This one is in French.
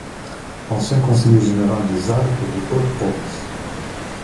Ancien conseiller général des Alpes-de-Haute-Provence.